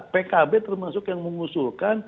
pkb termasuk yang mengusulkan